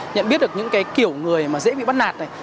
nhận biết được những kiểu người dễ bị bắt nạt này